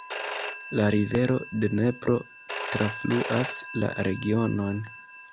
La rivero Dnepro trafluas la regionon.